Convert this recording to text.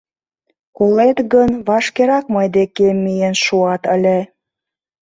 Колет гын, вашкерак мый декем миен шуат ыле.